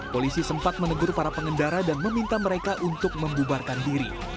polisi sempat menegur para pengendara dan meminta mereka untuk membubarkan diri